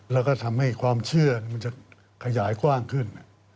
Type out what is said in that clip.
แล้วก็ทำให้ความเชื่อมันจะขยายกว้างขึ้น